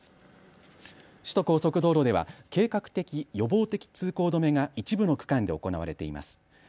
首都高速道路では計画的・予防的通行止めが一部の区間で行われています。